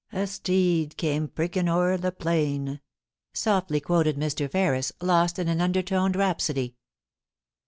A steed came pricking o'er the plain, }i } softly quoted Mr. Ferris, lost in an undertoned rhapsody.